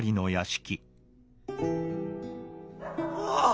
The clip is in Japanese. ・あっ！